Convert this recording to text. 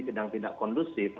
sedang tindak kondusif